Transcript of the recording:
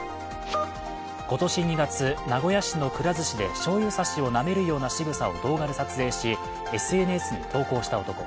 今年２月、名古屋市のくら寿司でしょうゆ差しをなめるようなしぐさを動画で撮影しＳＮＳに投稿した男。